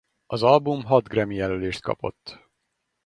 Az album hat Grammy-jelölést kapott.